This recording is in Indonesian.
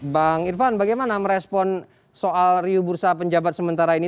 bang irvan bagaimana merespon soal riuh bursa penjabat sementara ini